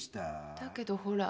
だけどほら。